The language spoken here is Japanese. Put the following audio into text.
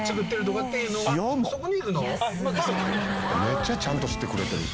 「めっちゃちゃんと知ってくれてる」